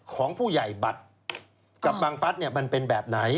ของผู้ใหญ่บัดกับบางฟัดมันเป็นแบบไหน